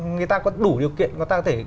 người ta có đủ điều kiện người ta có thể